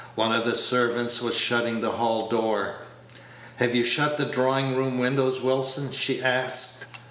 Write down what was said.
One of the servants was shutting the hall door. "Have you shut the drawing room windows, Wilson?" she asked.